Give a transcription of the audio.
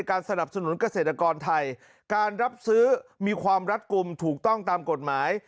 การรับซื้อมีความรัดกลุ่มถูกต้องตามกฎหมาย